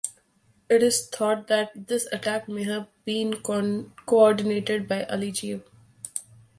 It is thought that this attack may have been coordinated by Alejo.